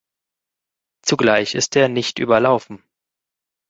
Zugleich ist er nicht überlaufen.